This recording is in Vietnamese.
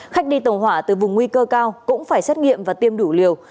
khách đi tàu hỏa từ vùng nguy cơ cao cũng phải xét nghiệm và tiêm đủ liều